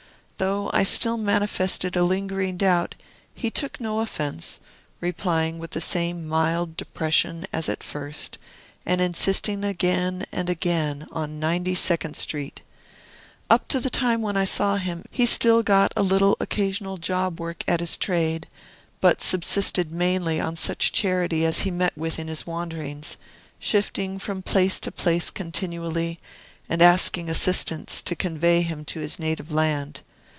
Though I still manifested a lingering doubt, he took no offence, replying with the same mild depression as at first, and insisting again and again on Ninety second Street. Up to the time when I saw him, he still got a little occasional job work at his trade, but subsisted mainly on such charity as he met with in his wanderings, shifting from place to place continually, and asking assistance to convey him to his native land.